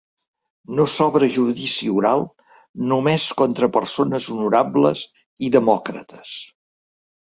No s’obre judici oral només contra persones honorables i demòcrates.